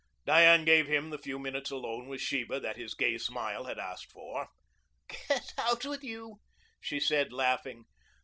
Diane gave him the few minutes alone with Sheba that his gay smile had asked for. "Get out with you," she said, laughing.